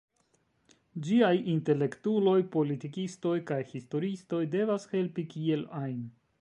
Ĝiaj intelektuloj, politikistoj kaj historiistoj devas helpi kiel ajn.